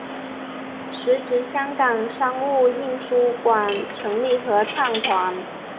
时值香港商务印书馆成立合唱团。